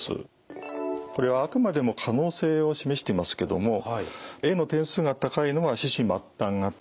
これはあくまでも可能性を示していますけどもＡの点数が高いのが四肢末端型。